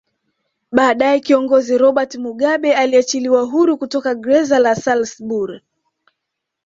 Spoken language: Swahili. Baadae Kiongozi Robert Mugabe aliachiliwa huru kutoka greza la Salisbury